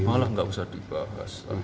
malah enggak usah dibahas